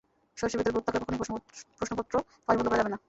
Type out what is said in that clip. সরষের ভেতরে ভূত থাকলে কখনোই প্রশ্নপত্র ফাঁস বন্ধ করা যাবে না।